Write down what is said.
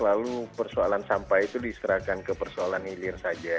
lalu persoalan sampah itu diserahkan ke persoalan hilir saja